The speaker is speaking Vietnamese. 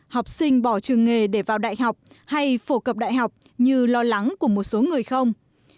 học sinh bỏ trường nghề để vào đại học hay phổ cập đại học như lo lắng của một số người không